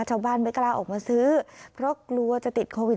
ชาวบ้านไม่กล้าออกมาซื้อเพราะกลัวจะติดโควิด